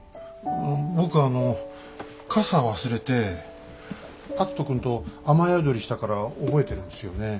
僕あの傘忘れて篤人君と雨宿りしたから覚えてるんですよね。